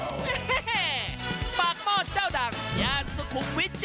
ฮิ่เฮ่เฮ่ปากหม้อเจ้าดังยานสุคุมวิทย์๗๑